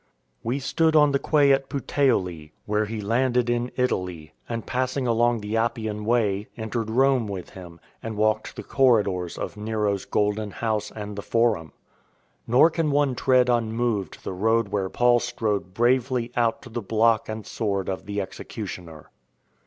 We stood on the quay at Puteoli, where he landed INTRODUCTION 11 in Italy, and, passing along the Appian Way, entered Rome with him, and walked the corridors of Nero's Golden House and the Forum. Nor can one tread un moved the road where Paul strode bravely out to the block and sword of the executioner.